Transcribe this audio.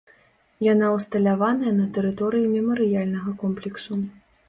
Яна ўсталяваная на тэрыторыі мемарыяльнага комплексу.